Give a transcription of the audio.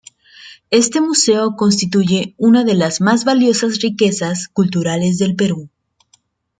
Este museo constituye una de las más valiosas riquezas culturales del Perú.